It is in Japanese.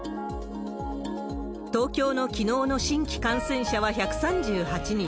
東京のきのうの新規感染者は１３８人。